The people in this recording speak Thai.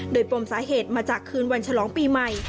โดยปมสาเหตุมาจากคืนวันฉลองปีใหม่